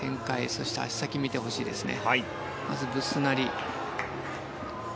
そして足先を見てほしいですね。